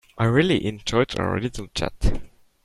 I really enjoyed our little chat.